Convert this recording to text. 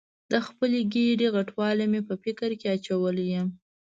د خپلې ګېډې غټوالی مې په فکر کې اچولې یم.